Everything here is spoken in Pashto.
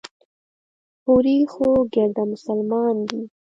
هورې خو ګرده مسلمانان دي.